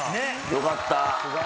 よかった。